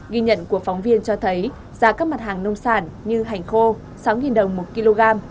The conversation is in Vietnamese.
ghi nhận của phóng viên cho thấy giá các mặt hàng nông sản như hành khô sáu đồng một kg